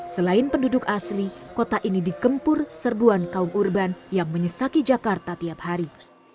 selain penduduk asli kota ini dikempur serbuan kaum urban yang menyesaki jakarta tiap hari